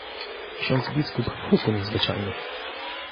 "Ksiądz biskup huku niezwyczajny."